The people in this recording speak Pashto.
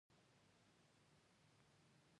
اوښ د افغانستان د اقلیم یوه مهمه ځانګړتیا ده.